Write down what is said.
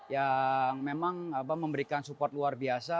yang memang memberikan support luar biasa